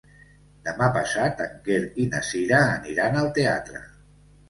Demà passat en Quer i na Cira aniran al teatre.